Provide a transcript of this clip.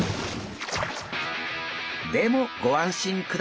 でもご安心ください！